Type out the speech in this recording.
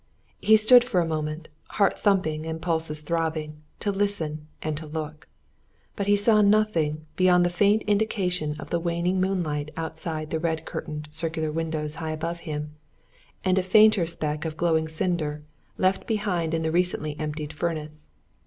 He stood for a moment, heart thumping and pulses throbbing, to listen and to look. But he saw nothing beyond the faint indication of the waning moonlight outside the red curtained, circular windows high above him, and a fainter speck of glowing cinder, left behind in the recently emptied furnace.